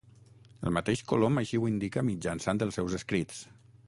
El mateix Colom així ho indica mitjançant els seus escrits.